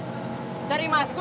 cari mas gun apa lahiran dulu